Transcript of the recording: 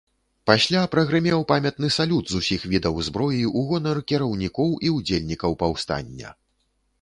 Пасля прагрымеў памятны салют з усіх відаў зброі у гонар кіраўнікоў і ўдзельнікаў паўстання.